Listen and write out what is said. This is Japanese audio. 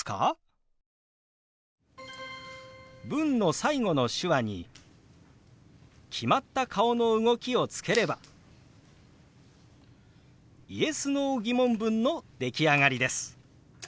文の最後の手話に決まった顔の動きをつければＹｅｓ／Ｎｏー疑問文の出来上がりです。